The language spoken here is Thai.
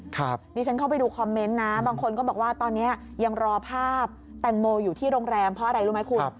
ดิฉันเข้าไปดูคอมเมนต์นะบางคนก็บอกว่าตอนนี้ยังรอภาพแตงโมอยู่ที่โรงแรมเพราะอะไรรู้ไหมคุณ